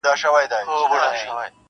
را پوره مي د پېړیو د بابا دغه ارمان کې-